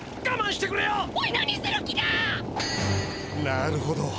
なるほど。